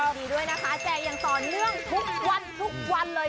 ดีด้วยนะคะแจกอย่างต่อเนื่องทุกวันทุกวันเลย